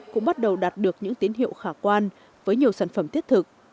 cũng bắt đầu đạt được những tín hiệu khả quan với nhiều sản phẩm thiết thực